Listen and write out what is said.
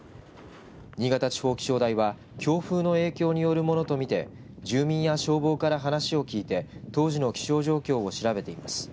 新潟地方気象台は強風の影響によるものと見て住民や消防から話を聞いて当時の気象状況を調べています。